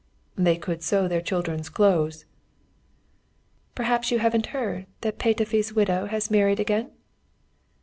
"They could sew their children's clothes." "Perhaps you haven't heard that Petöfi's widow has married again?"